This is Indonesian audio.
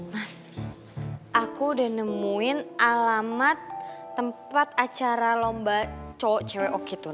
mas aku udah nemuin alamat tempat acara lomba cewek oki tuh